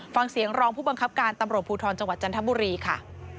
ฟังเสียงรองผู้บังคับการตำรวจภูทรจังหวัดจันทบุรีค่ะ